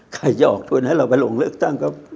ใครจะออกทุนให้เราไปลงเลือกตั้งก็